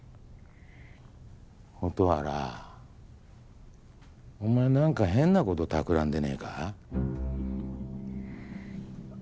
蛍原お前何か変なことたくらんでねぇか？